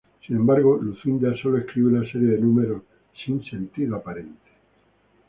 Sin embargo, Lucinda solo escribe una serie de números sin sentido aparente.